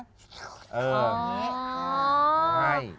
อ๋อใช่